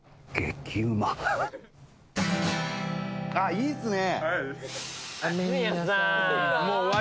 いいっすね！